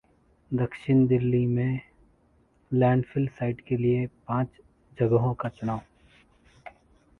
दक्षिणी दिल्ली में landfill site के लिये पांच जगहों का चुनाव